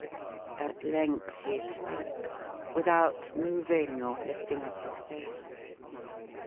At length he spoke; without moving or lifting up his face.